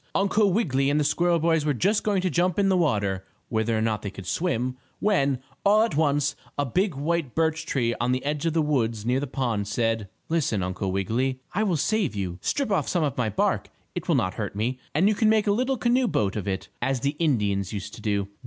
Uncle Wiggily and the squirrel boys were just going to jump in the water, whether or not they could swim, when, all at once, a big white birch tree on the edge of the woods near the pond, said: "Listen, Uncle Wiggily and I will save you. Strip off some of my bark. It will not hurt me, and you can make a little canoe boat of it, as the Indians used to do.